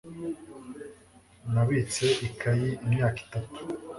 Nabitse ikayi imyaka itatu.